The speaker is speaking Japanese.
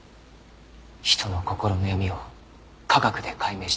人の心の闇を科学で解明したくて。